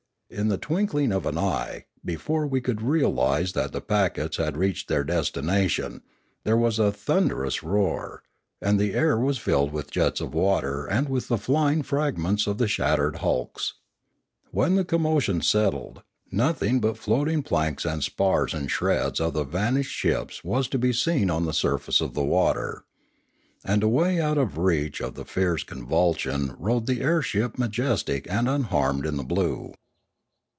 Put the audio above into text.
In the twinkling of an eye, before we could realise that the packets had reached their destinations, there was a thunderous roar, and the air was filled with jets of water and with the flying fragments of the shattered hulks. When the commo tion settled, nothing but floating planks and spars and shreds of the vanished ships was to be seen on the sur face of the water. And away out of reach of the fierce convulsion rode the airship majestic and unharmed in the blue.